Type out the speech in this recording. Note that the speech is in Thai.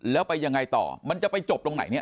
แล้วไปยังไงต่อมันจะไปจบตรงไหนเนี่ย